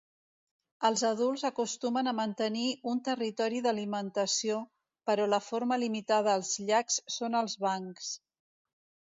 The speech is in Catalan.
Els adults acostumen a mantenir un territori d'alimentació, però la forma limitada als llacs són els bancs.